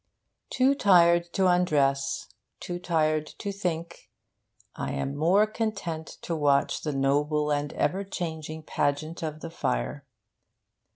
Too tired to undress, too tired to think, I am more than content to watch the noble and ever changing pageant of the fire.